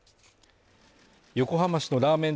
横浜市のラーメン